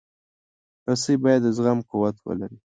رسۍ باید د زغم قوت ولري.